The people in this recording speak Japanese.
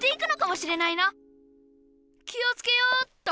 気をつけようっと！